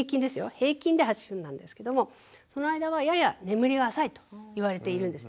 平均で８分なんですけどもその間はやや眠りが浅いと言われているんですね。